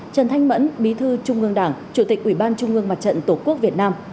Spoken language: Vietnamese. trần thanh mẫn bí thư trung ương đảng chủ tịch ủy ban trung ương mặt trận tổ quốc việt nam